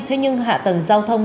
thế nhưng hạ tầng giao thông